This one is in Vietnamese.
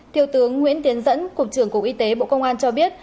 thiếu tướng nguyễn tiến dẫn cục trưởng cục y tế bộ công an cho biết